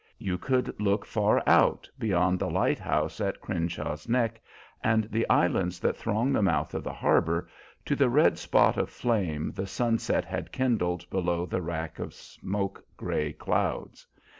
You could look far out, beyond the lighthouse on Creenlaw's Neck and the islands that throng the mouth of the harbor, to the red spot of flame the sunset had kindled below the rack of smoke gray clouds.